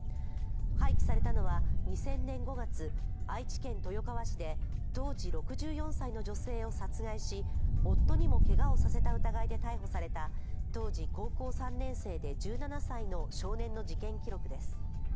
廃棄されたのは２０００年５月、愛知県豊川市で、当時６４歳の女性を殺害し夫にもけがをさせた疑いで逮捕された当時高校３年生で１７歳の少年の事件記録です。